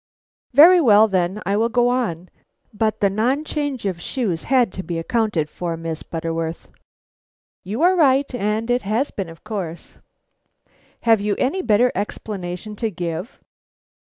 "Very well then, I will go on; but the non change of shoes had to be accounted for, Miss Butterworth." "You are right; and it has been, of course." "Have you any better explanation to give?"